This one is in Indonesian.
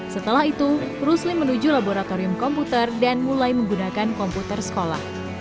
setelah itu rusli menuju laboratorium komputer dan mulai menggunakan komputer sekolah